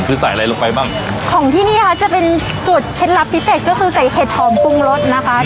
คือใส่อะไรลงไปบ้างของที่นี่ค่ะจะเป็นสูตรเคล็ดลับพิเศษก็คือใส่เห็ดหอมปรุงรสนะคะ